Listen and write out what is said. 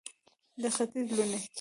د ختیځ لوڼې